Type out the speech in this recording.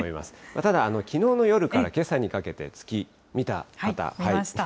ただきのうの夜からけさにかけて月、見た方。